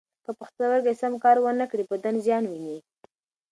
که پښتورګي سم کار و نه کړي، بدن زیان ویني.